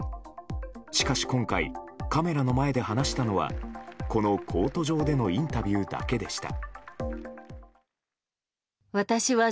しかし今回カメラの前で話したのはこのコート上でのインタビューだけでした。